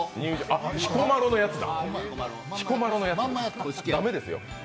彦摩呂のやつだ。